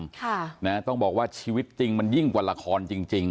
ค่ะนะต้องบอกว่าชีวิตจริงมันยิ่งกว่าละครจริงจริง